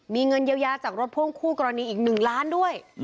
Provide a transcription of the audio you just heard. มีเงินเยียวยาจากรถพ่วงคู่กรณีอีก๑ล้านด้วย